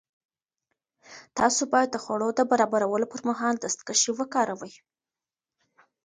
تاسو باید د خوړو د برابرولو پر مهال دستکشې وکاروئ.